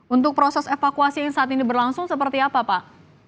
untuk proses evakuasi yang saat ini berlangsung seperti apa pak